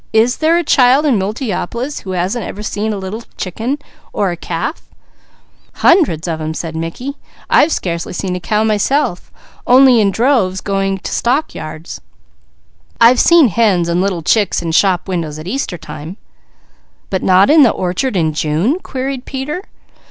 "Is there a child in Multiopolis who hasn't ever seen a little chicken, or a calf?" "Hundreds of them!" said Mickey. "I've scarcely seen a cow myself. I've seen hens and little chickens in shop windows at Easter time " "But not in the orchard in June?" queried Peter.